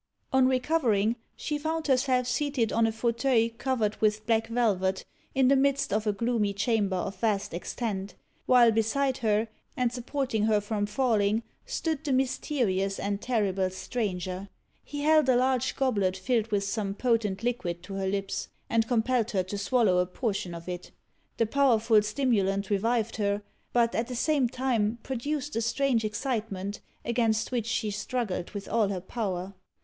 On recovering, she found herself seated on a fauteuil covered with black velvet, in the midst of a gloomy chamber of vast extent, while beside her, and supporting her from falling, stood the mysterious and terrible stranger. He held a large goblet filled with some potent liquid to her lips, and compelled her to swallow a portion of it. The powerful stimulant revived her, but, at the same time, produced a strange excitement, against which she struggled with all her power.